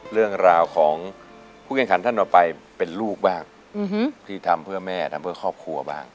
เรื่องราวของผู้แข่งขันท่านต่อไปเป็นลูกบ้างที่ทำเพื่อแม่ทำเพื่อครอบครัวบ้าง